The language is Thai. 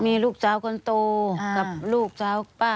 มีลูกสาวคนโตกับลูกสาวป้า